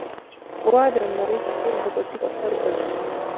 غوا د نندارې په څېر د پټي پر سر ګرځي.